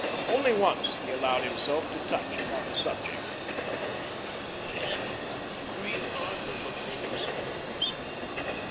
Once only he allowed himself to touch upon the subject. "Death and grief are little things," he said.